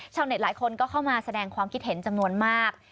หลายคนก็เข้ามาแสดงความคิดเห็นจำนวนมาก